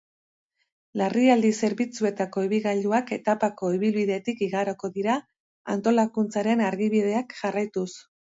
Larrialdi zerbitzuetako ibilgailuak etapako ibilbidetik igaroko dira, antolakuntzaren argibideak jarraituz.